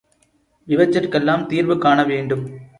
இவற்றிற்கெல்லாம் தீர்வு காண வேண்டும்.